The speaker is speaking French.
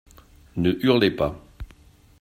Ne hurlez pas.